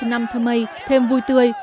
điều này cho năm thơ mây thêm vui tươi